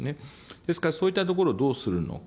ですから、そういったところをどうするのか。